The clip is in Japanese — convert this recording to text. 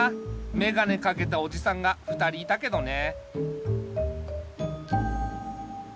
めがねかけたおじさんが２人いたけどね。